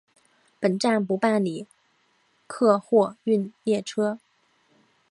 本站不办理客货运列车。